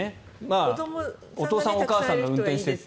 お父さんお母さんが運転して。